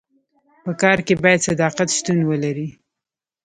په کار کي باید صداقت شتون ولري.